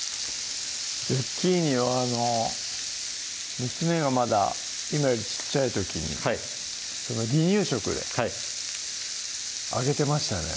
ズッキーニはあの娘がまだ今より小っちゃい時に離乳食であげてましたね